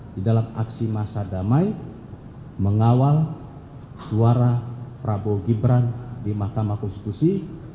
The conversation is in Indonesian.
di dalam aksi masa damai mengawal suara prabowo gibran di mahkamah konstitusi